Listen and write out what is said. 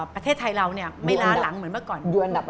ประเทศไทยเราเนี่ยไม่ล้าหลังเหมือนเมื่อก่อน